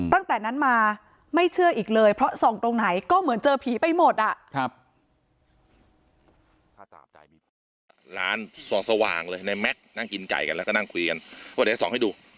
ตั้งแต่นั้นมาไม่เชื่ออีกเลยเพราะส่องตรงไหนก็เหมือนเจอผีไปหมดอ่ะ